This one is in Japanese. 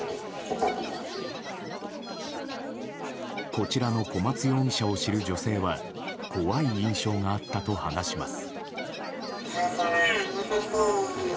こちらの小松容疑者を知る女性は怖い印象があったと話します。